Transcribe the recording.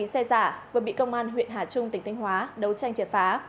chín xe giả vừa bị công an huyện hà trung tỉnh thanh hóa đấu tranh triệt phá